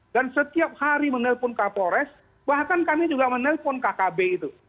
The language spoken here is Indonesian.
dan setiap hari menelpon kapolres bahkan kami juga menelpon kkb itu